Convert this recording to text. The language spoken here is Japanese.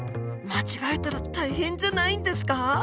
間違えたら大変じゃないんですか？